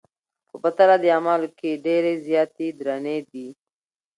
خو په تله د اعمالو کي ډېرې زياتي درنې دي